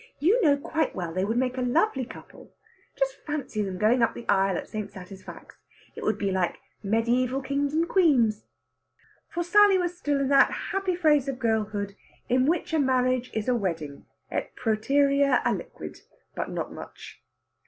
You know quite well they would make a lovely couple. Just fancy them going up the aisle at St. Satisfax! It would be like mediæval Kings and Queens." For Sally was still in that happy phase of girlhood in which a marriage is a wedding, et præterea aliquid, but not much.